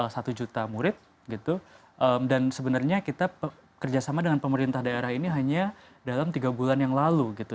satu juta murid gitu dan sebenarnya kita kerjasama dengan pemerintah daerah ini hanya dalam tiga bulan yang lalu gitu